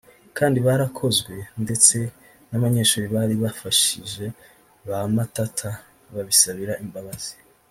kandi barakozwe ndetse n’abanyeshuri bari bafashije ba Matata babisabira imbabazi